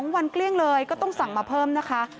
วันเกลี้ยงเลยก็ต้องสั่งมาเพิ่มนะคะ